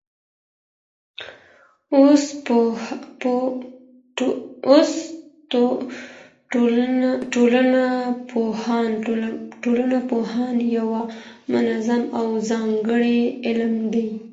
اوس ټولنپوهنه یو منظم او ځانګړی علم دی.